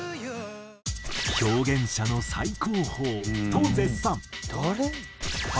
「表現者の最高峰」と絶賛。